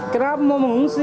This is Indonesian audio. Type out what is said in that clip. kenapa mau mengungsi